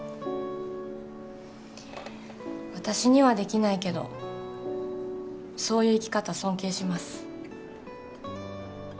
私にはできないけどそういう生き方尊敬します